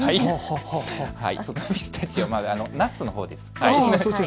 ナッツのほうです。